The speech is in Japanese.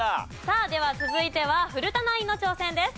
さあでは続いては古田ナインの挑戦です。